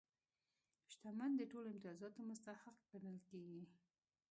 شتمن د ټولو امتیازاتو مستحق ګڼل کېږي.